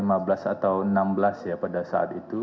atau enam belas ya pada saat itu